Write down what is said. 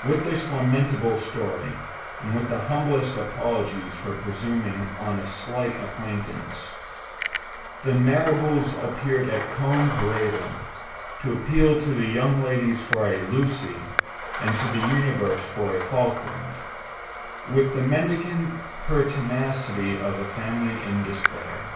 With this lamentable story, and with the humblest apologies for presuming on a slight acquaintance, the Marrables appeared at Combe Raven, to appeal to the young ladies for a "Lucy," and to the universe for a "Falkland," with the mendicant pertinacity of a family in despair.